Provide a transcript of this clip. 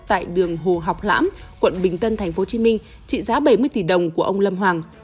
tại đường hồ học lãm quận bình tân tp hcm trị giá bảy mươi tỷ đồng của ông lâm hoàng